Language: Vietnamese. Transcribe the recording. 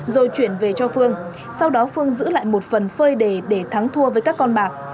rồi chuyển về cho phương sau đó phương giữ lại một phần phơi đề để thắng thua với các con bạc